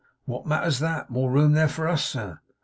What matters that! More room there for us, sir.